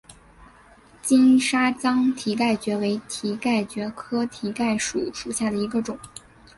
金沙江蹄盖蕨为蹄盖蕨科蹄盖蕨属下的一个种。